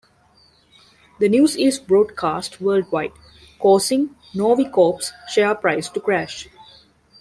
The news is broadcast worldwide, causing Novicorp's share price to crash.